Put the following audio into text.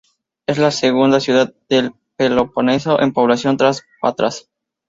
Es la segunda ciudad del Peloponeso en población, tras Patras.